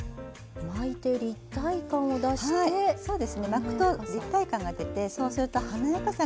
巻くと立体感が出てそうすると華やかさがアップします。